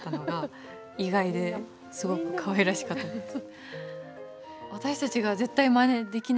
すごくかわいらしかったです。